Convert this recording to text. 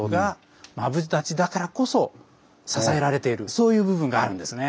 そういう部分があるんですね。